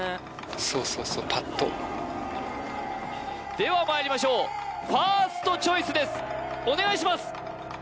そうそうそうぱっとではまいりましょうファーストチョイスですお願いします